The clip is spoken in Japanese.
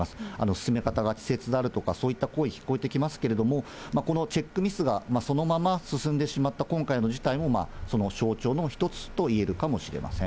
進め方が稚拙であるとか、そういった声も聞こえてきますけれども、このチェックミスがそのまま進んでしまった今回の事態も、その象徴の一つといえるかもしれません。